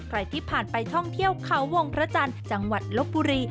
ใครที่ผ่านไปท่องเที่ยวเขาวงพระจันทร์จังหวัดลบบุรี